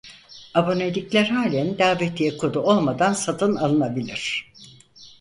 Abonelikler halen davetiye kodu olmadan satın alınabilir.